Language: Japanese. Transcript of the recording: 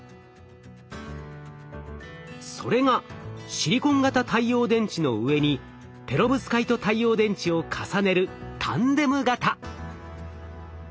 それがシリコン型太陽電池の上にペロブスカイト太陽電池を重ねるタンデム型。